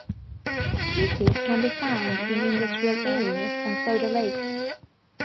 Species can be found in industrial areas and soda lakes.